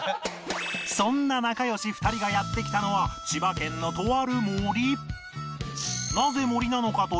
そんな仲良し２人がやって来たのは千葉県のとある森